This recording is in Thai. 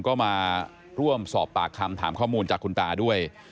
ก็มาร่วมสอบปากคำถามข้อมูลจากคุณตาด้วย